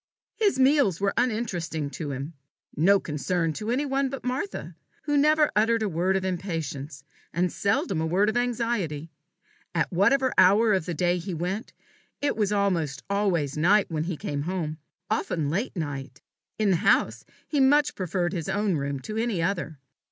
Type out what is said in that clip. His meals were uninteresting to him no concern to any one but Martha, who never uttered a word of impatience, and seldom a word of anxiety. At whatever hour of the day he went, it was almost always night when he came home, often late night. In the house he much preferred his own room to any other.